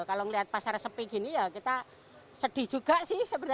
kalau ngeliat pasar sepi gini ya kita sedih juga sih